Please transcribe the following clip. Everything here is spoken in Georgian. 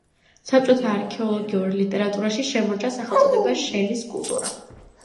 საბჭოთა არქეოლოგიურ ლიტერატურაში შემორჩა სახელწოდება „შელის კულტურა“.